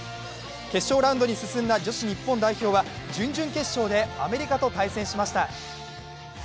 決勝ラウンドに進んだ女子日本代表は準々決勝でアメリカと対戦しました。